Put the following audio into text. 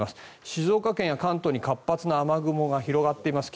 静岡県や関東に活発な雨雲が広がっています。